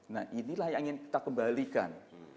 nah inilah yang ingin kita kembalikan